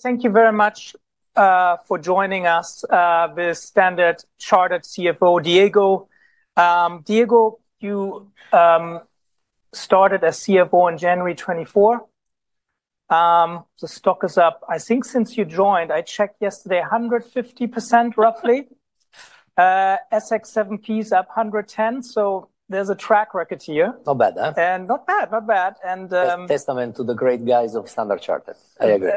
Thank you very much for joining us with Standard Chartered CFO Diego. Diego, you started as CFO in January 2024. The stock is up, I think, since you joined. I checked yesterday, 150% roughly. SX7P is up 110, so there's a track record here. Not bad, huh? Not bad, not bad. A testament to the great guys of Standard Chartered. I agree.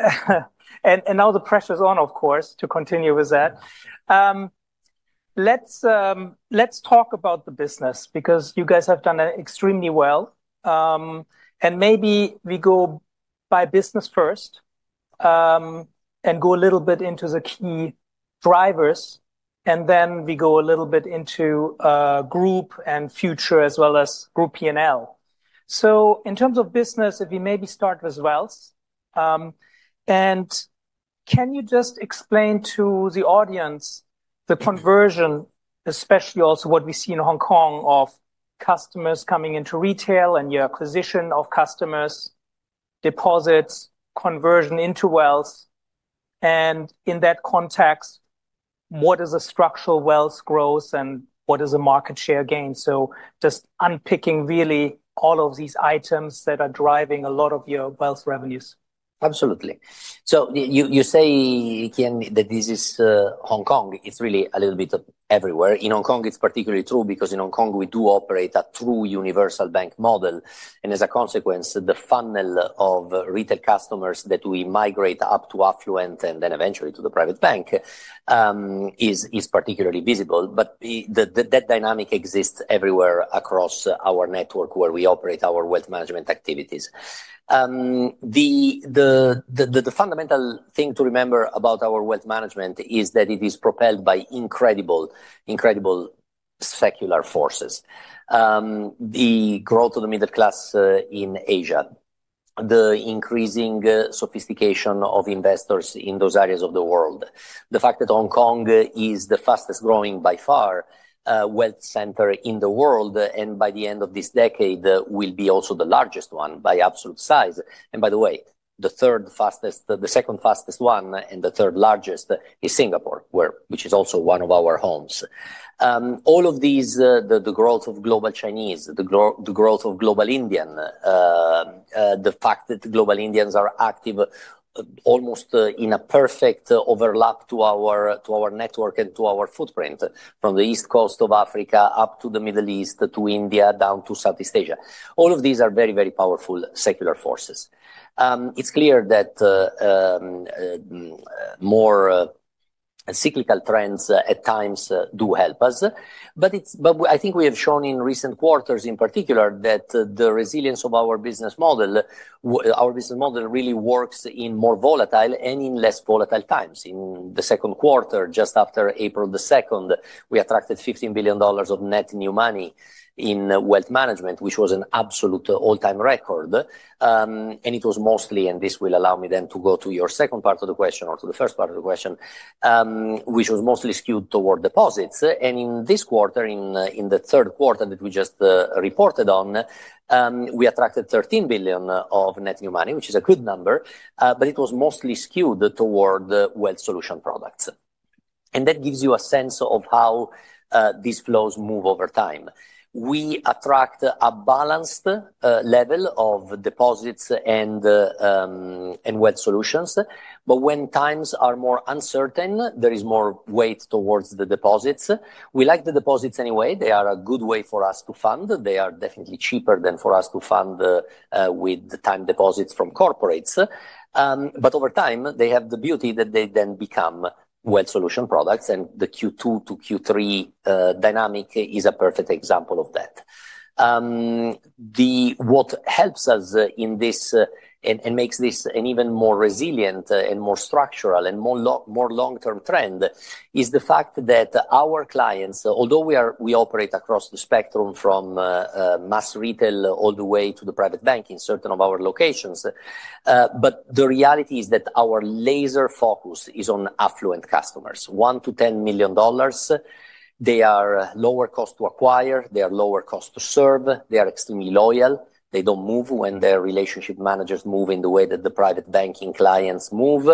Now the pressure's on, of course, to continue with that. Let's talk about the business because you guys have done extremely well. Maybe we go by business first, and go a little bit into the key drivers, and then we go a little bit into group and future as well as group P&L. In terms of business, if we maybe start with wealth, can you just explain to the audience the conversion, especially also what we see in Hong Kong of customers coming into retail and your acquisition of customers, deposits, conversion into wealth? In that context, what is a structural wealth growth and what is a market share gain? Just unpicking really all of these items that are driving a lot of your wealth revenues. Absolutely. You say, Kian, that this is, Hong Kong, it's really a little bit of everywhere. In Hong Kong, it's particularly true because in Hong Kong we do operate a true universal bank model. As a consequence, the funnel of retail customers that we migrate up to affluent and then eventually to the private bank is particularly visible. That dynamic exists everywhere across our network where we operate our wealth management activities. The fundamental thing to remember about our wealth management is that it is propelled by incredible, incredible secular forces. The growth of the middle class in Asia, the increasing sophistication of investors in those areas of the world, the fact that Hong Kong is the fastest growing by far wealth center in the world, and by the end of this decade, will be also the largest one by absolute size. By the way, the second fastest one and the third largest is Singapore, which is also one of our homes. All of these, the growth of global Chinese, the growth of global Indian, the fact that global Indians are active almost in a perfect overlap to our network and to our footprint from the East Coast of Africa up to the Middle East to India, down to Southeast Asia. All of these are very, very powerful secular forces. It's clear that, more, cyclical trends at times do help us, but I think we have shown in recent quarters in particular that the resilience of our business model, our business model really works in more volatile and in less volatile times. In the second quarter, just after April the 2nd, we attracted $15 billion of net new money in wealth management, which was an absolute all-time record. It was mostly, and this will allow me then to go to your second part of the question or to the first part of the question, which was mostly skewed toward deposits. In this quarter, in the third quarter that we just reported on, we attracted $13 billion of net new money, which is a good number, but it was mostly skewed toward wealth solution products. That gives you a sense of how these flows move over time. We attract a balanced level of deposits and wealth solutions, but when times are more uncertain, there is more weight towards the deposits. We like the deposits anyway. They are a good way for us to fund. They are definitely cheaper than for us to fund with time deposits from corporates. Over time, they have the beauty that they then become wealth solution products, and the Q2 to Q3 dynamic is a perfect example of that. What helps us in this and makes this an even more resilient and more structural and more long-term trend is the fact that our clients, although we operate across the spectrum from mass retail all the way to the private bank in certain of our locations, the reality is that our laser focus is on affluent customers, $1 million-$10 million. They are lower cost to acquire. They are lower cost to serve. They are extremely loyal. They do not move when their relationship managers move in the way that the private banking clients move.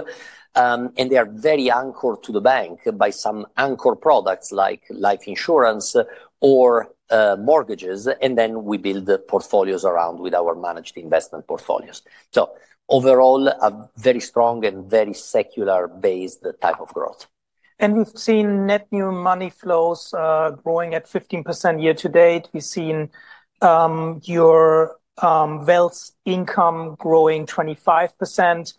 They are very anchored to the bank by some anchor products like life insurance or mortgages. Then we build portfolios around with our managed investment portfolios. Overall, a very strong and very secular-based type of growth. We've seen net new money flows, growing at 15% year to date. We've seen, your, wealth income growing 25%.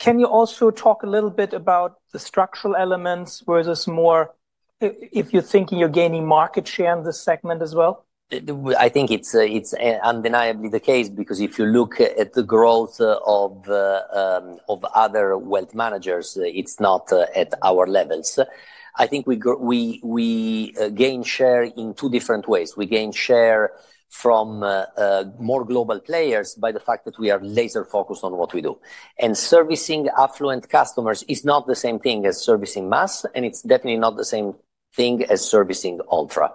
Can you also talk a little bit about the structural elements versus more, if you're thinking you're gaining market share in this segment as well? I think it's, it's undeniably the case because if you look at the growth of, of other wealth managers, it's not at our levels. I think we gain share in two different ways. We gain share from more global players by the fact that we are laser focused on what we do. And servicing affluent customers is not the same thing as servicing mass, and it's definitely not the same thing as servicing ultra.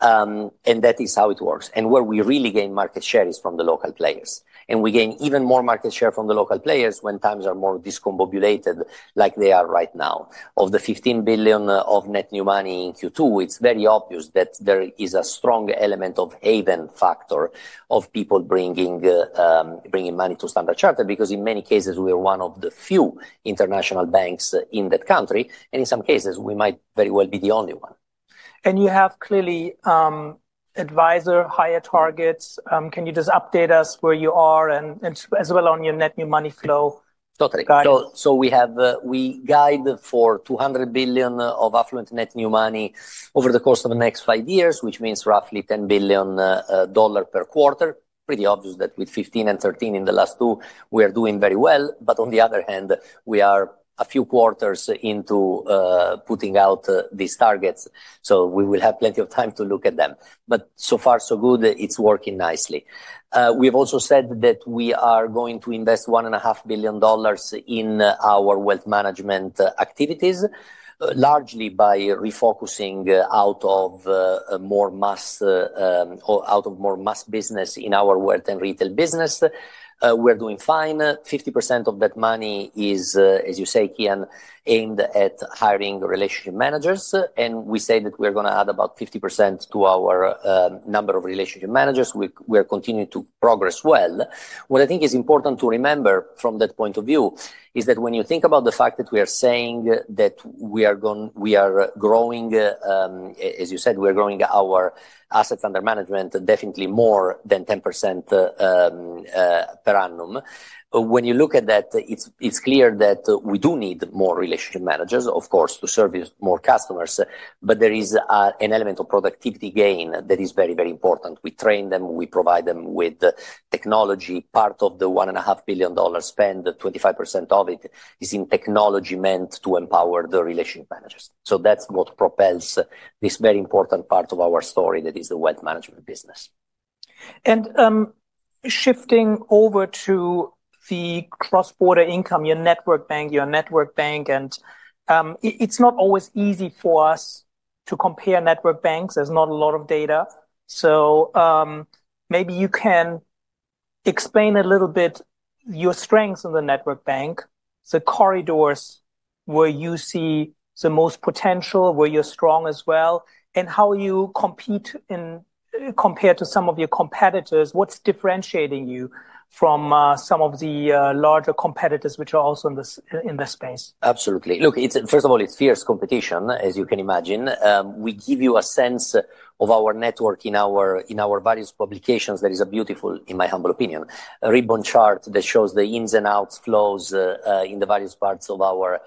That is how it works. Where we really gain market share is from the local players. We gain even more market share from the local players when times are more discombobulated like they are right now. Of the $15 billion of net new money in Q2, it's very obvious that there is a strong element of haven factor of people bringing money to Standard Chartered because in many cases, we are one of the few international banks in that country. In some cases, we might very well be the only one. You have clearly, advisor, higher targets. Can you just update us where you are and as well on your net new money flow? Totally. We guide for $200 billion of affluent net new money over the course of the next five years, which means roughly $10 billion per quarter. Pretty obvious that with $15 and $13 in the last two, we are doing very well. On the other hand, we are a few quarters into putting out these targets. We will have plenty of time to look at them. So far, so good, it's working nicely. We have also said that we are going to invest $1.5 billion in our wealth management activities, largely by refocusing out of more mass, or out of more mass business in our wealth and retail business. We're doing fine. 50% of that money is, as you say, Kian, aimed at hiring relationship managers. We say that we are gonna add about 50% to our number of relationship managers. We are continuing to progress well. What I think is important to remember from that point of view is that when you think about the fact that we are saying that we are growing, as you said, we are growing our assets under management definitely more than 10% per annum. When you look at that, it's clear that we do need more relationship managers, of course, to service more customers. There is an element of productivity gain that is very, very important. We train them, we provide them with technology. Part of the $1.5 billion spend, 25% of it is in technology meant to empower the relationship managers. That is what propels this very important part of our story that is the wealth management business. Shifting over to the cross-border income, your network bank, your network bank, and, it's not always easy for us to compare network banks. There's not a lot of data. Maybe you can explain a little bit your strengths in the network bank, the corridors where you see the most potential, where you're strong as well, and how you compete in, compared to some of your competitors. What's differentiating you from, some of the, larger competitors which are also in this, in this space? Absolutely. Look, first of all, it's fierce competition, as you can imagine. We give you a sense of our network in our various publications. There is a beautiful, in my humble opinion, ribbon chart that shows the ins and outs flows in the various parts of our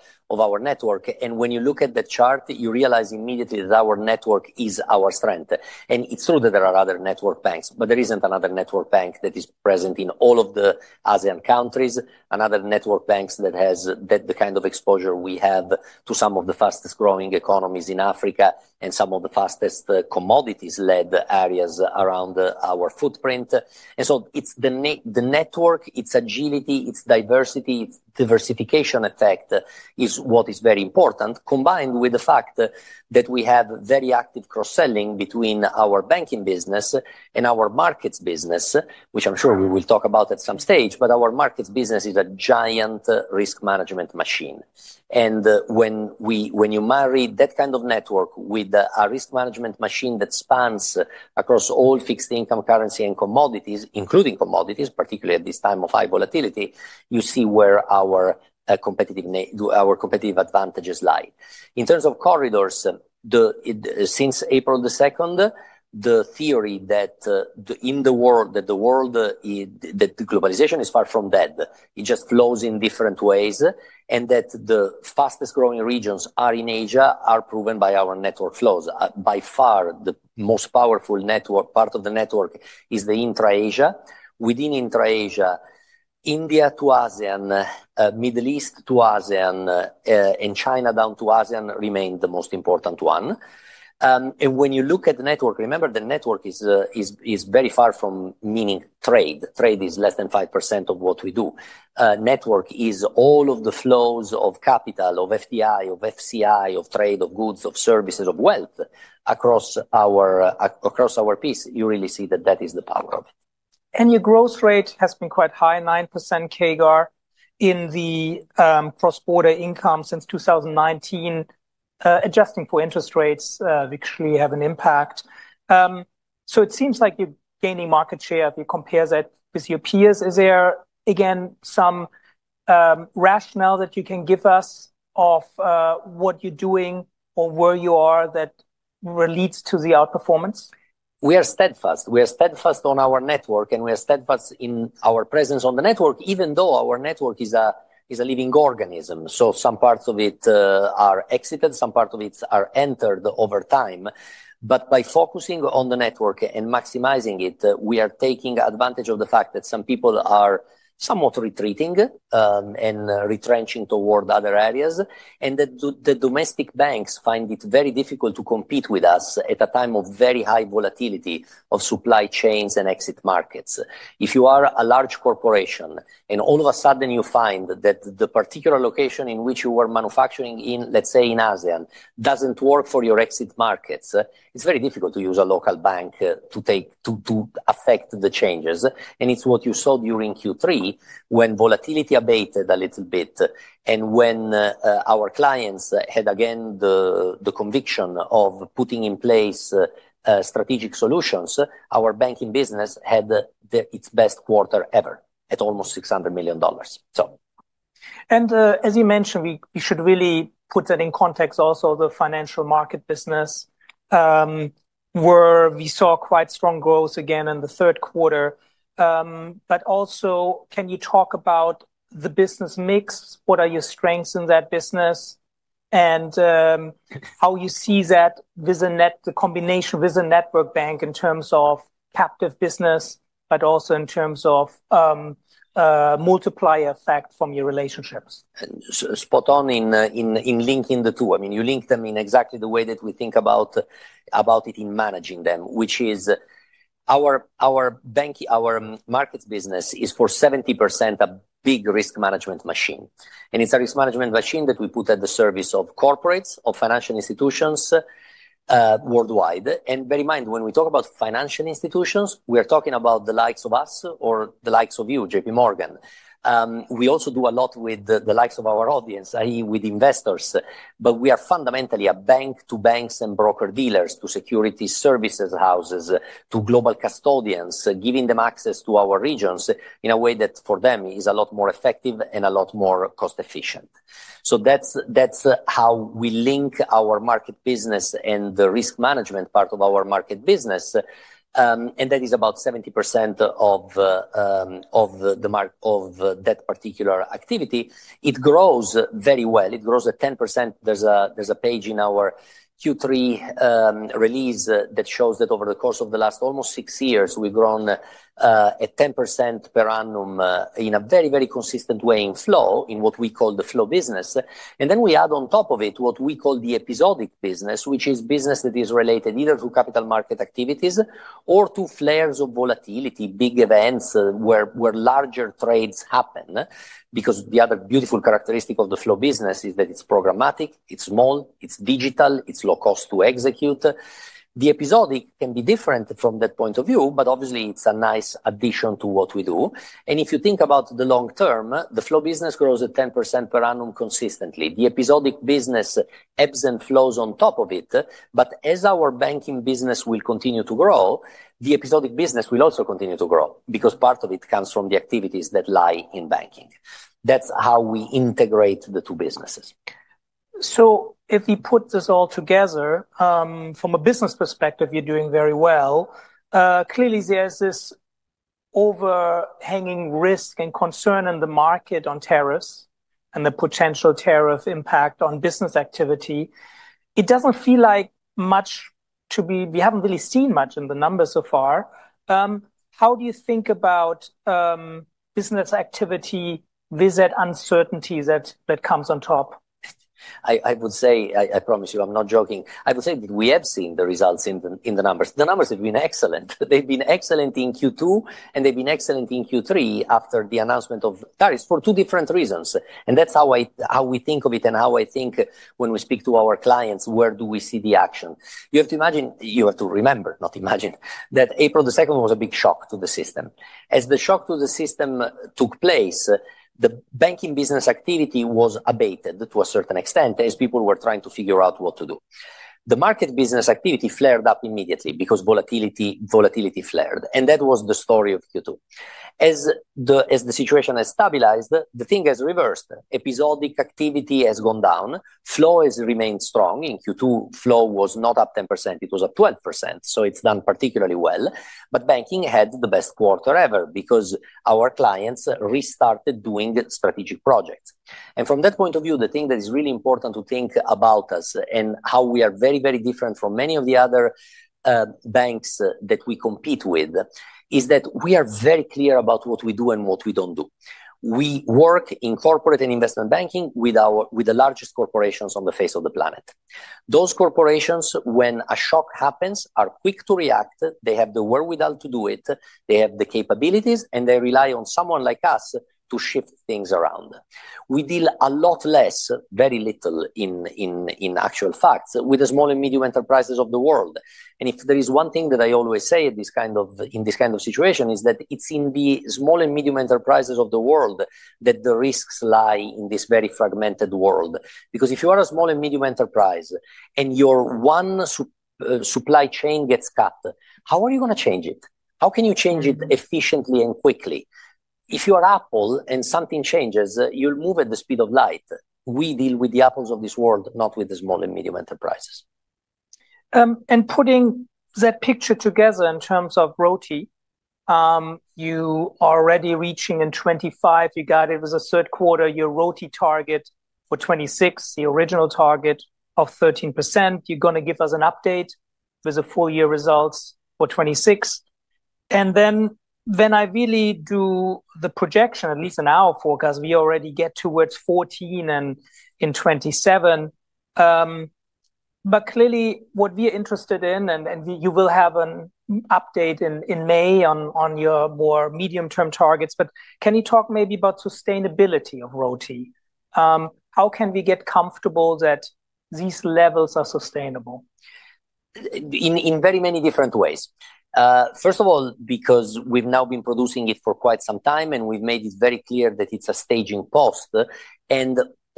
network. When you look at the chart, you realize immediately that our network is our strength. It is true that there are other network banks, but there is not another network bank that is present in all of the ASEAN countries, another network bank that has the kind of exposure we have to some of the fastest growing economies in Africa and some of the fastest commodities-led areas around our footprint. It is the network, its agility, its diversity, its diversification effect that is very important, combined with the fact that we have very active cross-selling between our banking business and our markets business, which I am sure we will talk about at some stage. Our markets business is a giant risk management machine. When you marry that kind of network with a risk management machine that spans across all fixed income, currency, and commodities, including commodities, particularly at this time of high volatility, you see where our competitive advantages lie. In terms of corridors, since April the 2nd, the theory that in the world, that globalization is far from dead, it just flows in different ways. The fastest growing regions in Asia are proven by our network flows. By far, the most powerful network, part of the network is the intra-Asia. Within intra-Asia, India to ASEAN, Middle East to ASEAN, and China down to ASEAN remained the most important one. When you look at the network, remember the network is very far from meaning trade. Trade is less than 5% of what we do. Network is all of the flows of capital, of FDI, of FCI, of trade, of goods, of services, of wealth across our piece. You really see that that is the power of it. Your growth rate has been quite high, 9% CAGR in the cross-border income since 2019, adjusting for interest rates, which really have an impact. It seems like you're gaining market share if you compare that with your peers. Is there again some rationale that you can give us of what you're doing or where you are that relates to the outperformance? We are steadfast. We are steadfast on our network, and we are steadfast in our presence on the network, even though our network is a living organism. Some parts of it are exited, some parts of it are entered over time. By focusing on the network and maximizing it, we are taking advantage of the fact that some people are somewhat retreating and retrenching toward other areas, and that the domestic banks find it very difficult to compete with us at a time of very high volatility of supply chains and exit markets. If you are a large corporation and all of a sudden you find that the particular location in which you were manufacturing in, let's say, in ASEAN doesn't work for your exit markets, it's very difficult to use a local bank to take, to affect the changes. It's what you saw during Q3 when volatility abated a little bit. When our clients had again the conviction of putting in place strategic solutions, our banking business had its best quarter ever at almost $600 million. As you mentioned, we should really put that in context also of the financial market business, where we saw quite strong growth again in the third quarter. Also, can you talk about the business mix? What are your strengths in that business and how you see that with the combination with a network bank in terms of captive business, but also in terms of multiplier effect from your relationships? Spot on in linking the two. I mean, you link them in exactly the way that we think about it in managing them, which is our bank, our markets business is for 70% a big risk management machine. It is a risk management machine that we put at the service of corporates, of financial institutions, worldwide. Bear in mind when we talk about financial institutions, we are talking about the likes of us or the likes of you, JPMorgan. We also do a lot with the likes of our audience, i.e., with investors. We are fundamentally a bank to banks and broker dealers, to security services houses, to global custodians, giving them access to our regions in a way that for them is a lot more effective and a lot more cost efficient. That's how we link our market business and the risk management part of our market business. That is about 70% of that particular activity. It grows very well. It grows at 10%. There is a page in our Q3 release that shows that over the course of the last almost six years, we've grown at 10% per annum in a very, very consistent way in what we call the flow business. Then we add on top of it what we call the episodic business, which is business that is related either to capital market activities or to flares of volatility, big events where larger trades happen. Because the other beautiful characteristic of the flow business is that it's programmatic, it's small, it's digital, it's low cost to execute. The episodic can be different from that point of view, but obviously it's a nice addition to what we do. If you think about the long term, the flow business grows at 10% per annum consistently. The episodic business ebbs and flows on top of it. As our banking business will continue to grow, the episodic business will also continue to grow because part of it comes from the activities that lie in banking. That's how we integrate the two businesses. If we put this all together, from a business perspective, you're doing very well. Clearly there's this overhanging risk and concern in the market on tariffs and the potential tariff impact on business activity. It doesn't feel like much to me, we haven't really seen much in the numbers so far. How do you think about business activity with that uncertainty that comes on top? I would say, I promise you, I'm not joking. I would say that we have seen the results in the numbers. The numbers have been excellent. They've been excellent in Q2 and they've been excellent in Q3 after the announcement of tariffs for two different reasons. That is how I, how we think of it and how I think when we speak to our clients, where do we see the action? You have to remember, not imagine, that April the 2nd was a big shock to the system. As the shock to the system took place, the banking business activity was abated to a certain extent as people were trying to figure out what to do. The market business activity flared up immediately because volatility, volatility flared. That was the story of Q2. As the situation has stabilized, the thing has reversed. Episodic activity has gone down. Flow has remained strong. In Q2, flow was not up 10%. It was up 12%. It has done particularly well. Banking had the best quarter ever because our clients restarted doing strategic projects. From that point of view, the thing that is really important to think about us and how we are very, very different from many of the other banks that we compete with is that we are very clear about what we do and what we do not do. We work in corporate and investment banking with the largest corporations on the face of the planet. Those corporations, when a shock happens, are quick to react. They have the wherewithal to do it. They have the capabilities, and they rely on someone like us to shift things around. We deal a lot less, very little in actual facts with the small and medium enterprises of the world. If there is one thing that I always say at this kind of, in this kind of situation, it is that it's in the small and medium enterprises of the world that the risks lie in this very fragmented world. Because if you are a small and medium enterprise and your one supply chain gets cut, how are you gonna change it? How can you change it efficiently and quickly? If you are Apple and something changes, you'll move at the speed of light. We deal with the Apples of this world, not with the small and medium enterprises. and putting that picture together in terms of ROTE, you are already reaching in 2025, you got it was the third quarter, your ROTE target for 2026, the original target of 13%. You're gonna give us an update with the full year results for 2026. I really do the projection, at least in our forecast, we already get towards 14% in 2027. what we are interested in, and you will have an update in May on your more medium term targets. Can you talk maybe about sustainability of ROTE? how can we get comfortable that these levels are sustainable? In very many different ways. First of all, because we've now been producing it for quite some time and we've made it very clear that it's a staging post.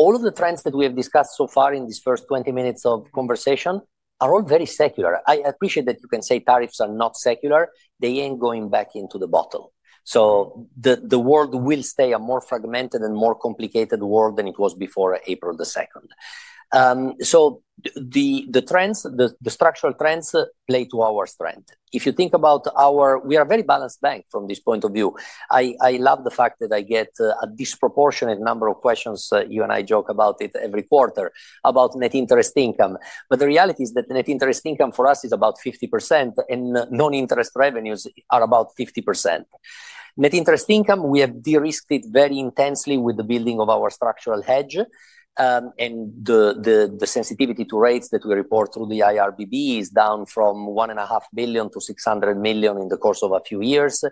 All of the trends that we have discussed so far in this first 20 minutes of conversation are all very secular. I appreciate that you can say tariffs are not secular. They ain't going back into the bottle. The world will stay a more fragmented and more complicated world than it was before April the 2nd. The trends, the structural trends play to our strength. If you think about our, we are a very balanced bank from this point of view. I love the fact that I get a disproportionate number of questions. You and I joke about it every quarter about net interest income. The reality is that net interest income for us is about 50% and non-interest revenues are about 50%. Net interest income, we have de-risked it very intensely with the building of our structural hedge. The sensitivity to rates that we report through the IRBB is down from $1.5 billion to $600 million in the course of a few years.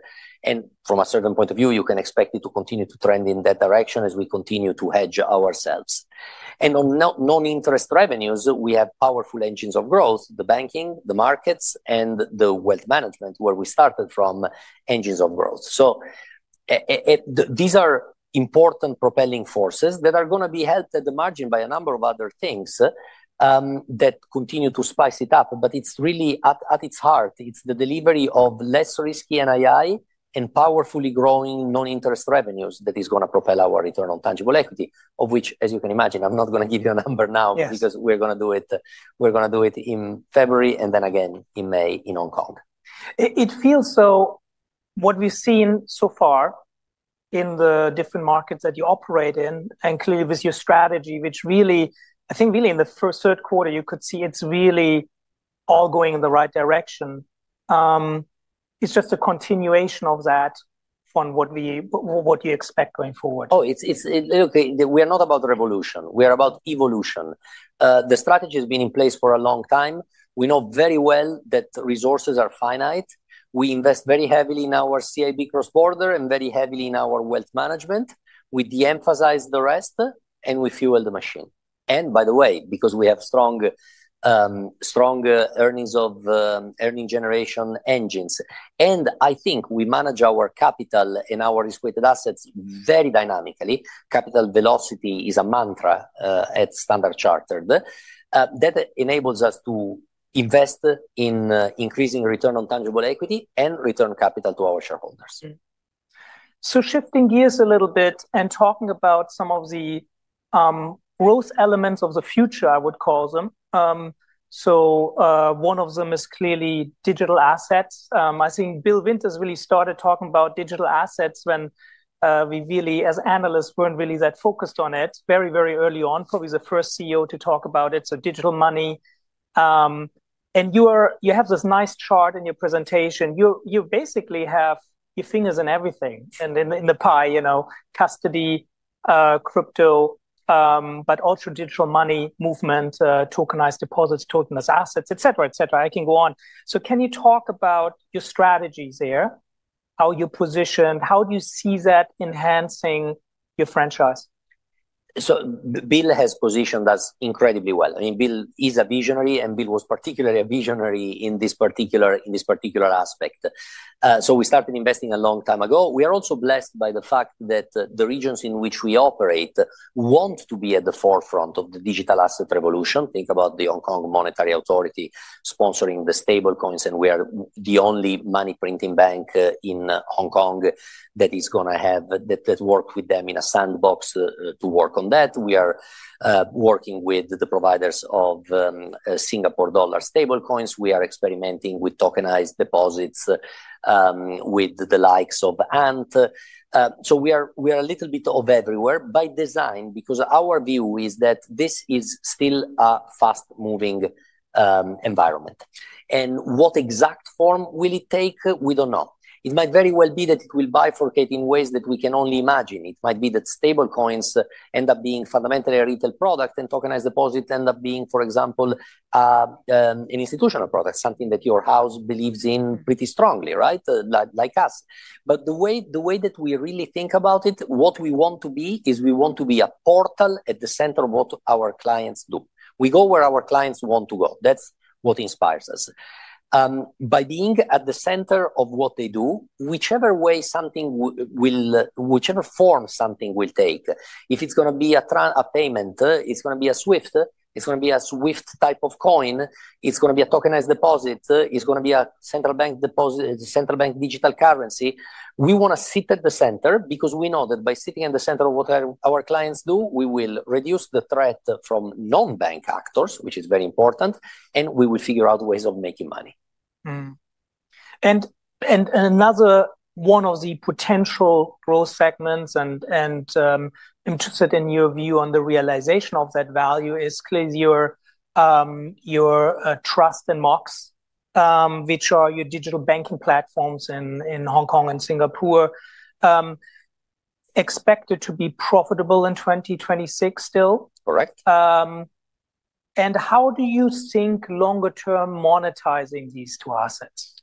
From a certain point of view, you can expect it to continue to trend in that direction as we continue to hedge ourselves. On non-interest revenues, we have powerful engines of growth, the banking, the markets, and the wealth management where we started from engines of growth. These are important propelling forces that are gonna be helped at the margin by a number of other things that continue to spice it up. At its heart, it's the delivery of less risky NII and powerfully growing non-interest revenues that is gonna propel our return on tangible equity, of which, as you can imagine, I'm not gonna give you a number now because we are gonna do it, we're gonna do it in February and then again in May in Hong Kong. It feels so what we've seen so far in the different markets that you operate in and clearly with your strategy, which really, I think really in the first third quarter, you could see it's really all going in the right direction. It's just a continuation of that from what we, what you expect going forward. Oh, it's, it's look, we are not about revolution. We are about evolution. The strategy has been in place for a long time. We know very well that resources are finite. We invest very heavily in our CIB CrossBorder and very heavily in our wealth management. We de-emphasize the rest and we fuel the machine. By the way, because we have strong, strong earnings of, earning generation engines. I think we manage our capital and our risk-weighted assets very dynamically. Capital velocity is a mantra at Standard Chartered that enables us to invest in increasing return on tangible equity and return capital to our shareholders. Shifting gears a little bit and talking about some of the growth elements of the future, I would call them. One of them is clearly digital assets. I think Bill Winters really started talking about digital assets when we really, as analysts, were not really that focused on it very, very early on, probably the first CEO to talk about it. Digital money. You have this nice chart in your presentation. You basically have your fingers in everything and in the pie, you know, custody, crypto, but also digital money movement, tokenized deposits, tokenized assets, et cetera, et cetera. I can go on. Can you talk about your strategies there, how you position, how do you see that enhancing your franchise? Bill has positioned us incredibly well. I mean, Bill is a visionary and Bill was particularly a visionary in this particular aspect. We started investing a long time ago. We are also blessed by the fact that the regions in which we operate want to be at the forefront of the digital asset revolution. Think about the Hong Kong Monetary Authority sponsoring the stablecoins. We are the only money printing bank in Hong Kong that is gonna have that, that work with them in a sandbox to work on that. We are working with the providers of Singapore dollar stablecoins. We are experimenting with tokenized deposits, with the likes of Ant. We are a little bit of everywhere by design because our view is that this is still a fast moving environment. What exact form will it take? We do not know. It might very well be that it will bifurcate in ways that we can only imagine. It might be that stablecoins end up being fundamentally a retail product and tokenized deposits end up being, for example, an institutional product, something that your house believes in pretty strongly, right? Like, like us. The way that we really think about it, what we want to be is we want to be a portal at the center of what our clients do. We go where our clients want to go. That is what inspires us. by being at the center of what they do, whichever way something will, whichever form something will take, if it's gonna be a tran, a payment, it's gonna be a SWIFT, it's gonna be a SWIFT type of coin, it's gonna be a tokenized deposit, it's gonna be a central bank deposit, central bank digital currency. We wanna sit at the center because we know that by sitting in the center of what our clients do, we will reduce the threat from non-bank actors, which is very important, and we will figure out ways of making money. Another one of the potential growth segments, and interested in your view on the realization of that value, is clearly your Trust and Mox, which are your digital banking platforms in Hong Kong and Singapore, expected to be profitable in 2026 still. Correct. How do you think longer term monetizing these two assets?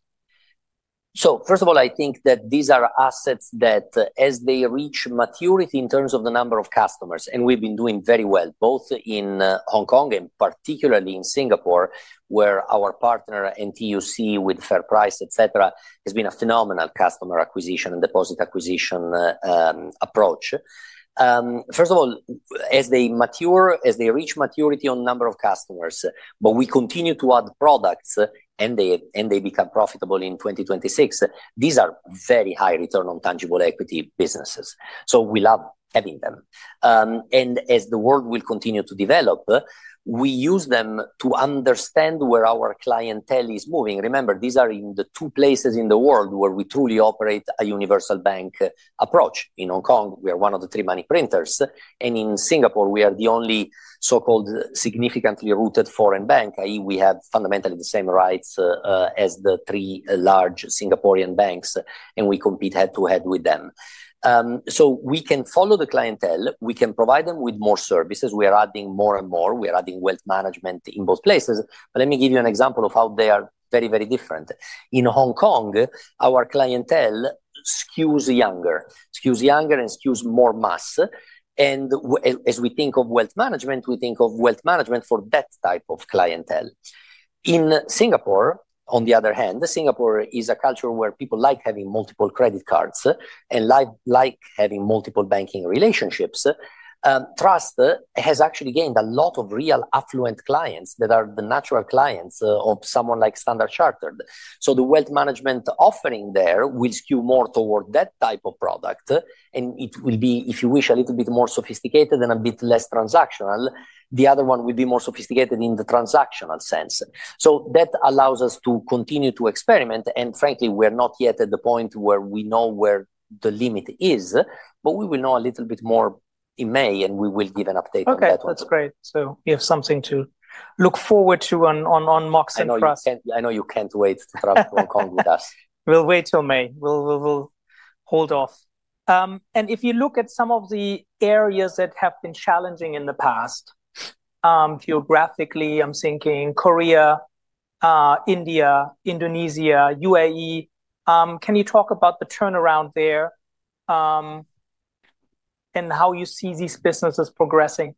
First of all, I think that these are assets that as they reach maturity in terms of the number of customers, and we've been doing very well both in Hong Kong and particularly in Singapore, where our partner NTUC FairPrice, et cetera, has been a phenomenal customer acquisition and deposit acquisition approach. First of all, as they mature, as they reach maturity on number of customers, but we continue to add products and they become profitable in 2026. These are very high return on tangible equity businesses. We love having them. As the world will continue to develop, we use them to understand where our clientele is moving. Remember, these are in the two places in the world where we truly operate a universal bank approach. In Hong Kong, we are one of the three money printers. In Singapore, we are the only so-called significantly rooted foreign bank. I.E. we have fundamentally the same rights as the three large Singaporean banks, and we compete head to head with them. We can follow the clientele. We can provide them with more services. We are adding more and more. We are adding wealth management in both places. Let me give you an example of how they are very, very different. In Hong Kong, our clientele skews younger, skews younger and skews more mass. As we think of wealth management, we think of wealth management for that type of clientele. In Singapore, on the other hand, Singapore is a culture where people like having multiple credit cards and like, like having multiple banking relationships. Trust has actually gained a lot of real affluent clients that are the natural clients of someone like Standard Chartered. The wealth management offering there will skew more toward that type of product. It will be, if you wish, a little bit more sophisticated and a bit less transactional. The other one will be more sophisticated in the transactional sense. That allows us to continue to experiment. Frankly, we are not yet at the point where we know where the limit is, but we will know a little bit more in May and we will give an update on that one. Okay. That's great. You have something to look forward to on Mox and Trust. I know you can, I know you can't wait to Trust Hong Kong with us. We'll wait till May. We'll hold off. If you look at some of the areas that have been challenging in the past, geographically, I'm thinking Korea, India, Indonesia, UAE, can you talk about the turnaround there, and how you see these businesses progressing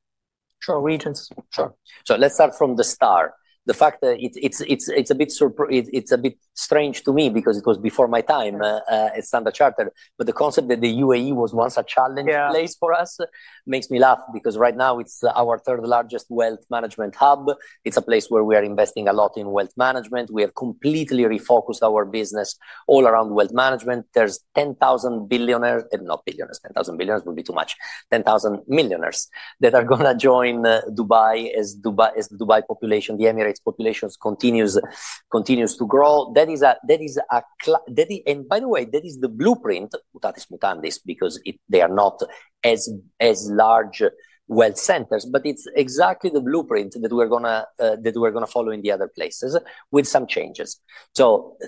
or regions? Sure. Let's start from the start. The fact that it's, it's, it's a bit surprise, it's a bit strange to me because it was before my time at Standard Chartered. The concept that the UAE was once a challenge place for us makes me laugh because right now it's our third largest wealth management hub. It's a place where we are investing a lot in wealth management. We have completely refocused our business all around wealth management. There are 10,000 billionaires, not billionaires, 10,000 billionaires would be too much, 10,000 millionaires that are gonna join Dubai as Dubai, as the Dubai population, the Emirates population continues to grow. That is a, that is a, that is, and by the way, that is the blueprint, that is mutandis because they are not as, as large wealth centers, but it's exactly the blueprint that we are gonna, that we are gonna follow in the other places with some changes.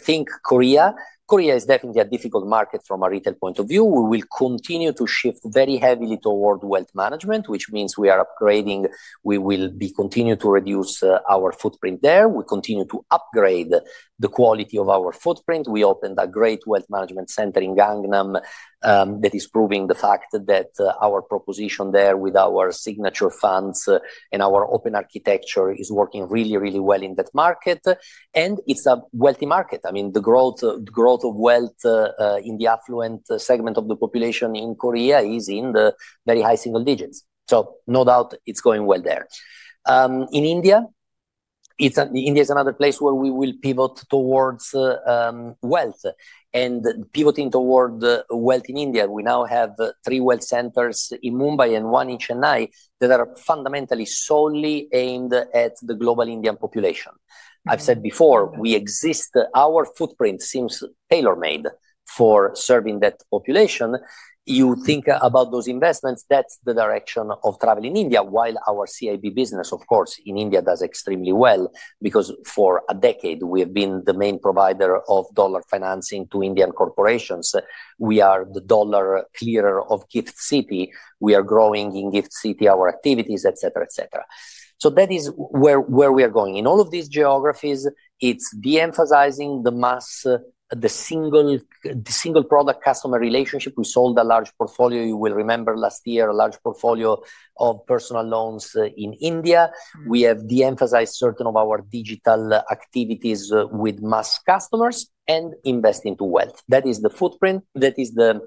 Think Korea. Korea is definitely a difficult market from a retail point of view. We will continue to shift very heavily toward wealth management, which means we are upgrading, we will continue to reduce our footprint there. We continue to upgrade the quality of our footprint. We opened a great wealth management center in Gangnam, that is proving the fact that our proposition there with our signature funds and our open architecture is working really, really well in that market. It is a wealthy market. I mean, the growth, the growth of wealth in the affluent segment of the population in Korea is in the very high single digits. No doubt it's going well there. In India, it's, India is another place where we will pivot towards wealth, and pivoting toward wealth in India. We now have three wealth centers in Mumbai and one in Chennai that are fundamentally solely aimed at the global Indian population. I've said before, we exist, our footprint seems tailor-made for serving that population. You think about those investments, that's the direction of travel in India. While our CIB business, of course, in India does extremely well because for a decade we have been the main provider of dollar financing to Indian corporations. We are the dollar clearer of Gift City. We are growing in Gift City, our activities, et cetera, et cetera. That is where we are going in all of these geographies. It is de-emphasizing the mass, the single, the single product customer relationship. We sold a large portfolio. You will remember last year a large portfolio of personal loans in India. We have de-emphasized certain of our digital activities with mass customers and invest into wealth. That is the footprint. That is the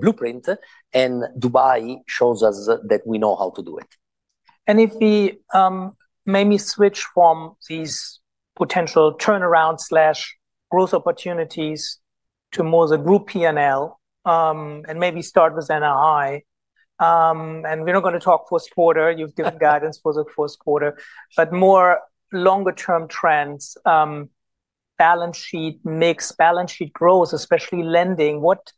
blueprint. Dubai shows us that we know how to do it. If we maybe switch from these potential turnaround slash growth opportunities to more the group P&L, and maybe start with NRI, and we're not gonna talk first quarter. You've given guidance for the first quarter, but more longer term trends, balance sheet mix, balance sheet growth, especially lending. What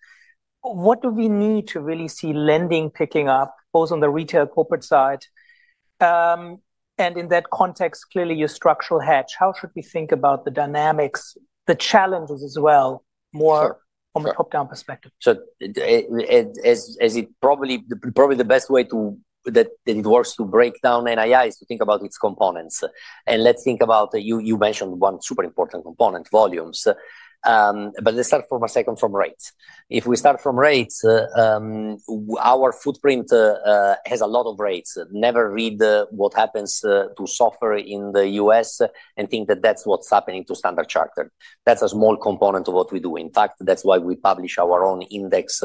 do we need to really see lending picking up both on the retail corporate side? In that context, clearly your structural hedge, how should we think about the dynamics, the challenges as well, more from a top-down perspective? Sure. As it probably the, probably the best way to, that it works to break down NII is to think about its components. Let's think about, you mentioned one super important component, volumes. But let's start from a second, from rates. If we start from rates, our footprint has a lot of rates. Never read what happens to software in the U.S. and think that that's what's happening to Standard Chartered. That's a small component of what we do. In fact, that's why we publish our own index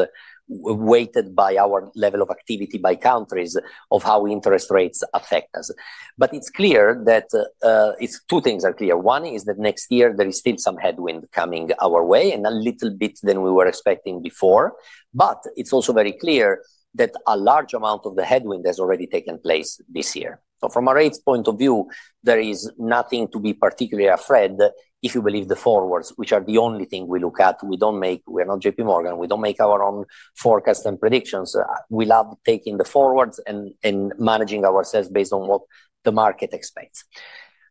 weighted by our level of activity by countries of how interest rates affect us. It's clear that two things are clear. One is that next year there is still some headwind coming our way and a little bit than we were expecting before. It is also very clear that a large amount of the headwind has already taken place this year. From a rates point of view, there is nothing to be particularly afraid if you believe the forwards, which are the only thing we look at. We do not make, we are not JPMorgan. We do not make our own forecasts and predictions. We love taking the forwards and managing ourselves based on what the market expects.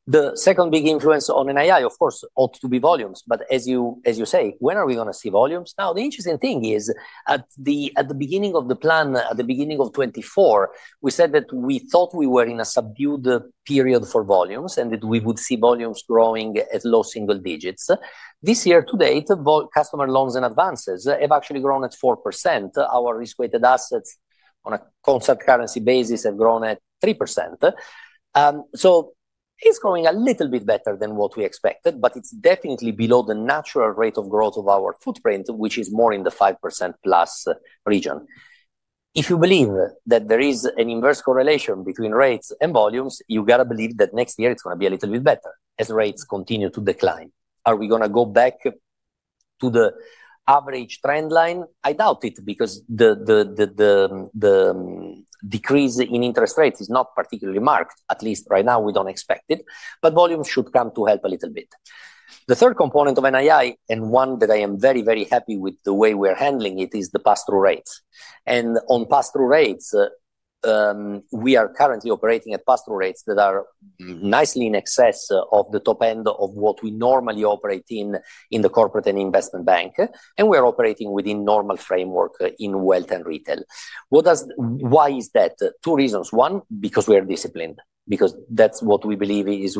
The second big influence on NII, of course, ought to be volumes. As you say, when are we gonna see volumes? The interesting thing is at the beginning of the plan, at the beginning of 2024, we said that we thought we were in a subdued period for volumes and that we would see volumes growing at low single digits. This year to date, customer loans and advances have actually grown at 4%. Our risk-weighted assets on a constant currency basis have grown at 3%. It's going a little bit better than what we expected, but it's definitely below the natural rate of growth of our footprint, which is more in the 5% plus region. If you believe that there is an inverse correlation between rates and volumes, you gotta believe that next year it's gonna be a little bit better as rates continue to decline. Are we gonna go back to the average trend line? I doubt it because the decrease in interest rates is not particularly marked, at least right now we don't expect it, but volumes should come to help a little bit. The third component of NII and one that I am very, very happy with the way we are handling it is the pass-through rates. On pass-through rates, we are currently operating at pass-through rates that are nicely in excess of the top end of what we normally operate in, in the corporate and investment bank. We are operating within normal framework in wealth and retail. Why is that? Two reasons. One, because we are disciplined, because we believe it is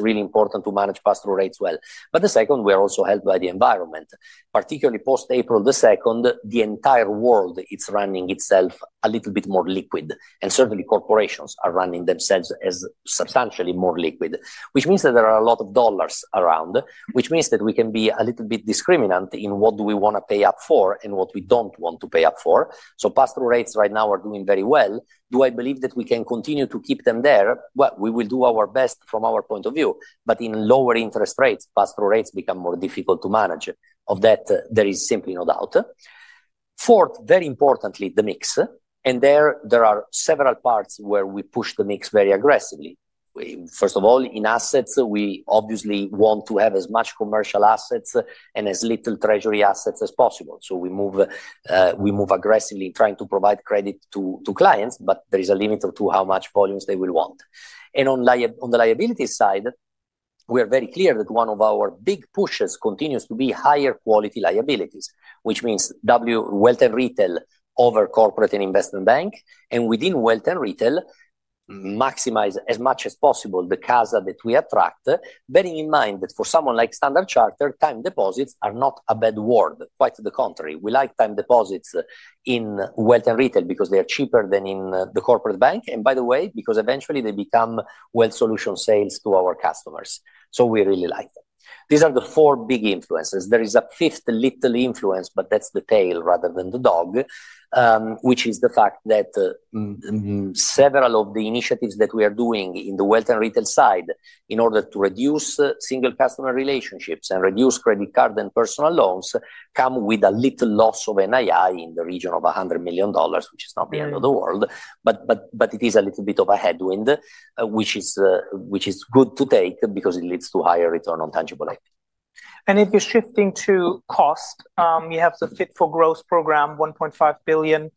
really important to manage pass-through rates well. The second, we are also helped by the environment, particularly post-April the 2nd, the entire world, it is running itself a little bit more liquid. Certainly, corporations are running themselves as substantially more liquid, which means that there are a lot of dollars around, which means that we can be a little bit discriminant in what do we wanna pay up for and what we do not want to pay up for. Pass-through rates right now are doing very well. Do I believe that we can continue to keep them there? We will do our best from our point of view, but in lower interest rates, pass-through rates become more difficult to manage. Of that, there is simply no doubt. Fourth, very importantly, the mix. There are several parts where we push the mix very aggressively. First of all, in assets, we obviously want to have as much commercial assets and as little treasury assets as possible. We move aggressively trying to provide credit to clients, but there is a limit to how much volumes they will want. On the liability side, we are very clear that one of our big pushes continues to be higher quality liabilities, which means wealth and retail over corporate and investment bank. Within wealth and retail, maximize as much as possible the CASA that we attract, bearing in mind that for someone like Standard Chartered, time deposits are not a bad word. Quite to the contrary, we like time deposits in wealth and retail because they are cheaper than in the corporate bank. By the way, because eventually they become wealth solution sales to our customers. We really like them. These are the four big influences. There is a fifth little influence, but that's the tail rather than the dog, which is the fact that several of the initiatives that we are doing in the wealth and retail side in order to reduce single customer relationships and reduce credit card and personal loans come with a little loss of NII in the region of $100 million, which is not the end of the world. But it is a little bit of a headwind, which is good to take because it leads to higher return on tangible. If you're shifting to cost, you have the Fit for Growth program, $1.5 billion,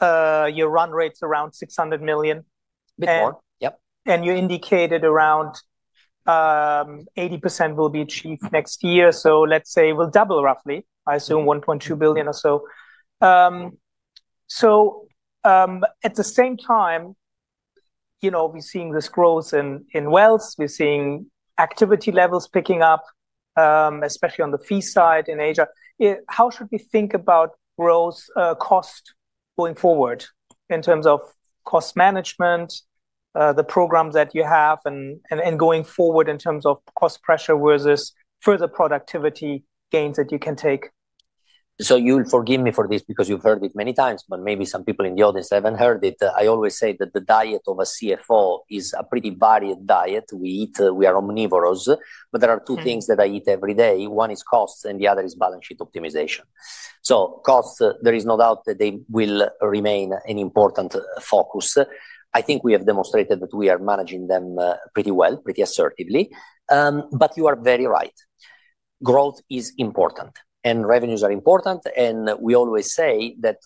your run rate's around $600 million. Bit more. Yep. You indicated around 80% will be achieved next year. Let's say we'll double roughly, I assume $1.2 billion or so. At the same time, you know, we're seeing this growth in wealth, we're seeing activity levels picking up, especially on the fee side in Asia. How should we think about growth, cost going forward in terms of cost management, the programs that you have and going forward in terms of cost pressure versus further productivity gains that you can take? You'll forgive me for this because you've heard it many times, but maybe some people in the audience haven't heard it. I always say that the diet of a CFO is a pretty varied diet. We eat, we are omnivores, but there are two things that I eat every day. One is costs and the other is balance sheet optimization. Costs, there is no doubt that they will remain an important focus. I think we have demonstrated that we are managing them pretty well, pretty assertively. You are very right. Growth is important and revenues are important. We always say that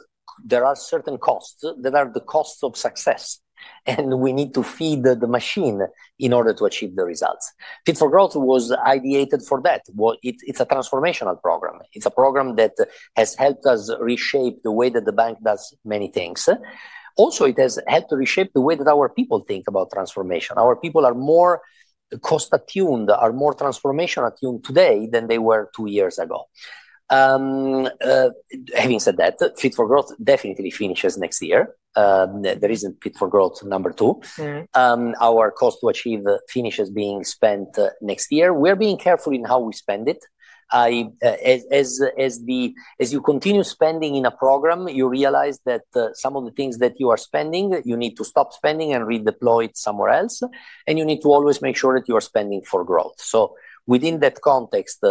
there are certain costs that are the cost of success and we need to feed the machine in order to achieve the results. Fit for Growth was ideated for that. It is a transformational program. It's a program that has helped us reshape the way that the bank does many things. Also, it has helped to reshape the way that our people think about transformation. Our people are more cost attuned, are more transformation attuned today than they were two years ago. Having said that, Fit for Growth definitely finishes next year. There isn't Fit for Growth number two. Our cost to achieve finishes being spent next year. We are being careful in how we spend it. As you continue spending in a program, you realize that some of the things that you are spending, you need to stop spending and redeploy it somewhere else. You need to always make sure that you are spending for growth. Within that context,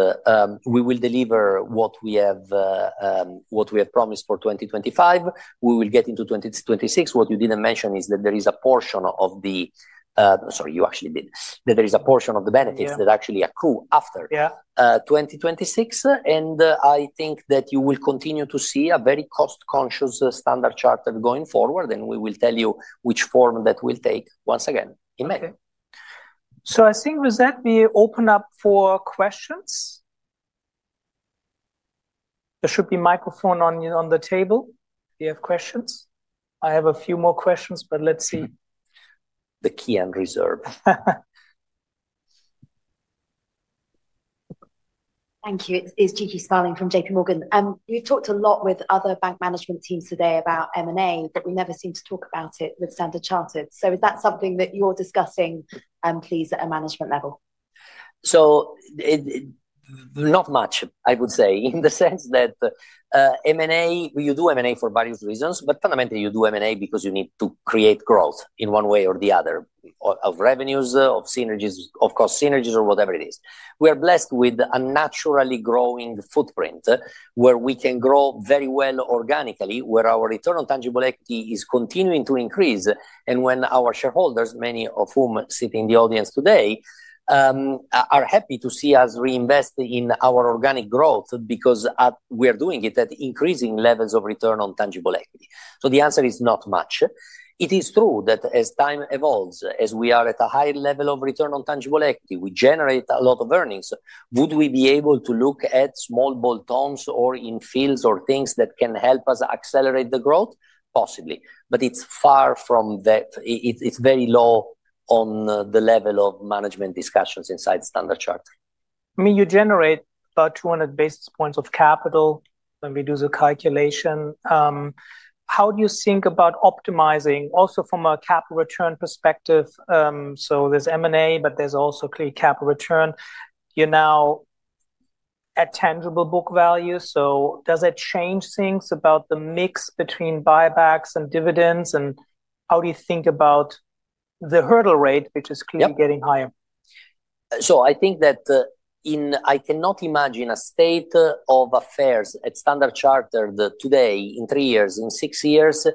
we will deliver what we have promised for 2025. We will get into 2026. What you did not mention is that there is a portion of the, sorry, you actually did, that there is a portion of the benefits that actually accrue after 2026. I think that you will continue to see a very cost-conscious Standard Chartered going forward. We will tell you which form that will take once again in May. Okay. I think with that, we open up for questions. There should be a microphone on the table. Do you have questions? I have a few more questions, but let's see. The key and reserve. Thank you. It's Gigi Sparling from JPMorgan. You've talked a lot with other bank management teams today about M&A, but we never seem to talk about it with Standard Chartered. Is that something that you are discussing, please, at a management level? It not much, I would say, in the sense that M&A, you do M&A for various reasons, but fundamentally you do M&A because you need to create growth in one way or the other, of revenues, of synergies, of cost synergies, or whatever it is. We are blessed with a naturally growing footprint where we can grow very well organically, where our return on tangible equity is continuing to increase. When our shareholders, many of whom sit in the audience today, are happy to see us reinvest in our organic growth because we are doing it at increasing levels of return on tangible equity. The answer is not much. It is true that as time evolves, as we are at a high level of return on tangible equity, we generate a lot of earnings. Would we be able to look at small bolt-ons or in fields or things that can help us accelerate the growth? Possibly, but it's far from that. It's very low on the level of management discussions inside Standard Chartered. I mean, you generate about 200 basis points of capital when we do the calculation. How do you think about optimizing also from a capital return perspective? There is M&A, but there is also clear capital return. You are now at tangible book value. Does that change things about the mix between buybacks and dividends? How do you think about the hurdle rate, which is clearly getting higher? I think that in, I cannot imagine a state of affairs at Standard Chartered today in three years, in six years,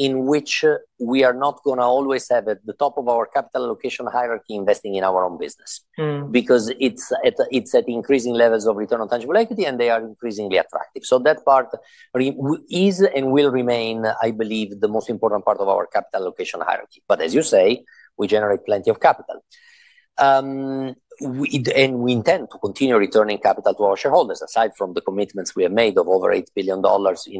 in which we are not gonna always have at the top of our capital allocation hierarchy investing in our own business. Because it's at, it's at increasing levels of return on tangible equity and they are increasingly attractive. That part is and will remain, I believe, the most important part of our capital allocation hierarchy. As you say, we generate plenty of capital. We intend to continue returning capital to our shareholders aside from the commitments we have made of over $8 billion in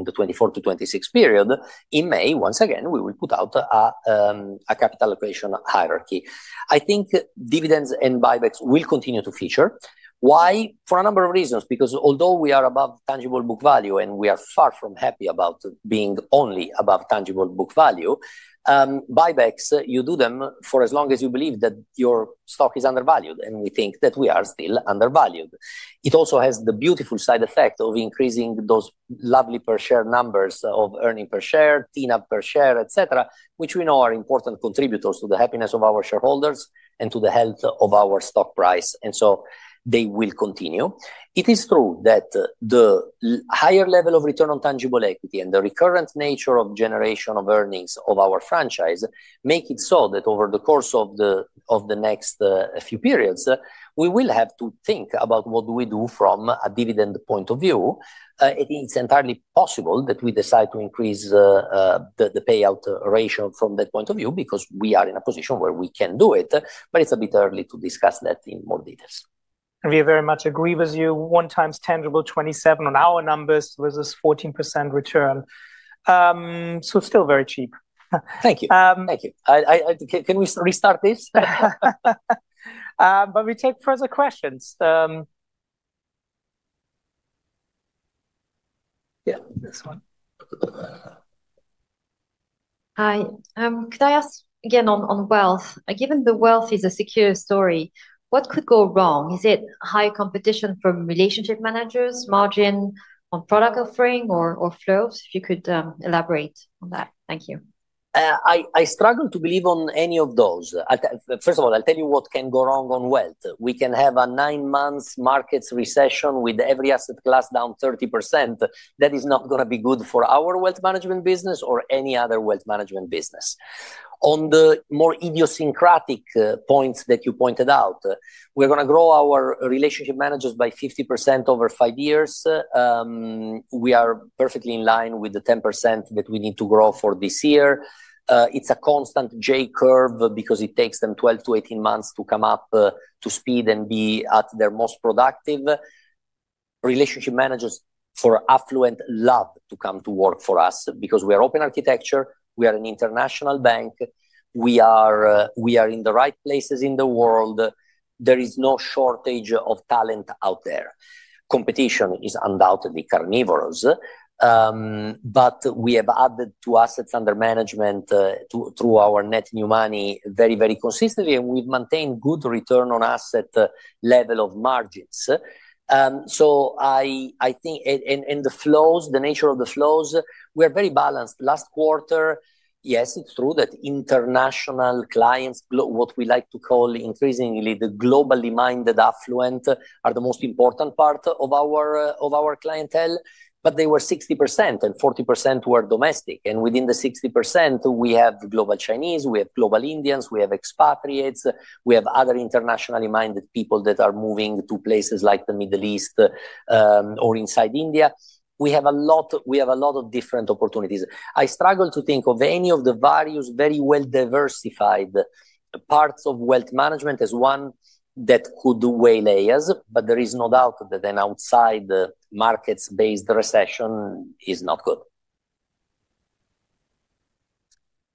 the 2024 to 2026 period. In May, once again, we will put out a capital allocation hierarchy. I think dividends and buybacks will continue to feature. Why? For a number of reasons. Because although we are above tangible book value and we are far from happy about being only above tangible book value, buybacks, you do them for as long as you believe that your stock is undervalued. We think that we are still undervalued. It also has the beautiful side effect of increasing those lovely per share numbers of earning per share, TNAB per share, et cetera, which we know are important contributors to the happiness of our shareholders and to the health of our stock price. They will continue. It is true that the higher level of return on tangible equity and the recurrent nature of generation of earnings of our franchise make it so that over the course of the next few periods, we will have to think about what do we do from a dividend point of view. It's entirely possible that we decide to increase the payout ratio from that point of view because we are in a position where we can do it, but it's a bit early to discuss that in more detail. We very much agree with you. One times tangible 27 on our numbers versus 14% return. So still very cheap. Thank you. Thank you. Can we restart this? We take further questions. Yeah, this one. Hi. Could I ask again on, on wealth? Given the wealth is a secure story, what could go wrong? Is it high competition from relationship managers, margin on product offering, or, or flows? If you could, elaborate on that. Thank you. I struggle to believe on any of those. First of all, I'll tell you what can go wrong on wealth. We can have a nine-month markets recession with every asset class down 30%. That is not gonna be good for our wealth management business or any other wealth management business. On the more idiosyncratic points that you pointed out, we are gonna grow our relationship managers by 50% over five years. We are perfectly in line with the 10% that we need to grow for this year. It's a constant J curve because it takes them 12 to 18 months to come up to speed and be at their most productive. Relationship managers for affluent love to come to work for us because we are open architecture. We are an international bank. We are in the right places in the world. There is no shortage of talent out there. Competition is undoubtedly carnivorous. We have added to assets under management, through our net new money, very, very consistently, and we've maintained good return on asset level of margins. I think, and the flows, the nature of the flows, we are very balanced. Last quarter, yes, it's true that international clients, what we like to call increasingly the globally minded affluent, are the most important part of our clientele, but they were 60% and 40% were domestic. Within the 60%, we have global Chinese, we have global Indians, we have expatriates, we have other internationally minded people that are moving to places like the Middle East, or inside India. We have a lot, we have a lot of different opportunities. I struggle to think of any of the various very well diversified parts of wealth management as one that could weigh layers, but there is no doubt that an outside markets-based recession is not good.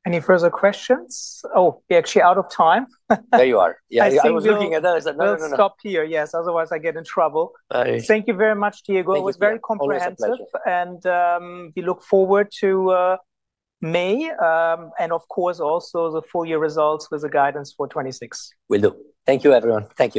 Any further questions? Oh, we're actually out of time. There you are. Yeah. I was looking at that. Let's stop here. Yes. Otherwise I get in trouble. Thank you very much, Diego. It was very comprehensive. We look forward to May, and of course also the full year results with the guidance for 2026. Will do. Thank you, everyone. Thank you.